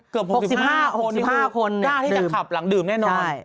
กล้าที่จะขับหลังดื่มแน่นอน